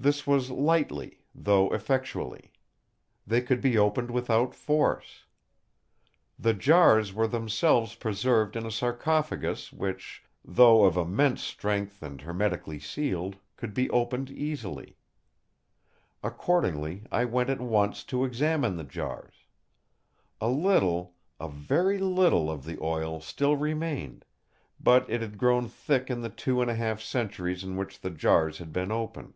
This was lightly, though effectually; they could be opened without force. The jars were themselves preserved in a sarcophagus which, though of immense strength and hermetically sealed, could be opened easily. Accordingly, I went at once to examine the jars. A little—a very little of the oil still remained, but it had grown thick in the two and a half centuries in which the jars had been open.